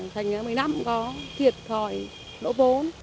thành một mươi năm có thiệt thòi nổ vốn